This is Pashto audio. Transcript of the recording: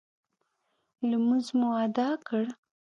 لمونځ مو اداء کړ.